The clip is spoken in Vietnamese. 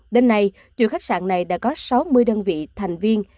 đến nay chùa khách sạn này đã có sáu mươi đơn vị thành viên